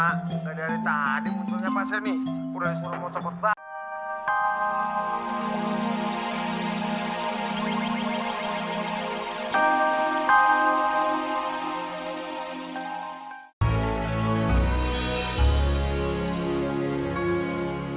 nah dimuntungnya pasir nih